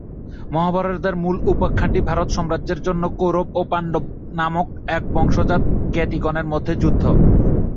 মহাভারতের মূল উপাখ্যানটি ভারত-সাম্রাজ্যের জন্য কৌরব ও পাণ্ডব নামক একবংশজাত জ্ঞাতিগণের মধ্যে যুদ্ধ।